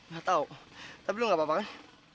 gatau tapi lu gapapa kan